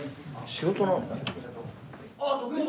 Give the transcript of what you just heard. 仕事なの？